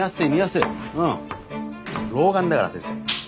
老眼だから先生。